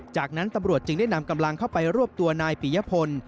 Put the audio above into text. จากนั้นตำรวจจึงได้นำกำลังเข้าไปรวบตัวนายปียพล